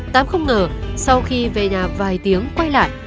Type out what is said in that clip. tám không ngờ sau khi về nhà vài tiếng quay lại